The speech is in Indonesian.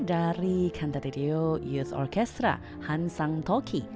dari kante tadeo youth orchestra han sang toki